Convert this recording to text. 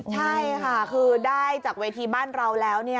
ใช่ค่ะคือได้จากเวทีบ้านเราแล้ว